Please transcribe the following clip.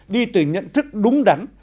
đi từ nhận thức đúng đắn